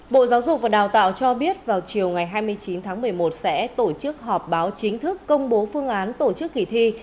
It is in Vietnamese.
bộ giáo dục và đào tạo cho biết vào chiều ngày hai mươi chín tháng một mươi một sẽ tổ chức họp báo chính thức công bố phương án tổ chức kỳ thi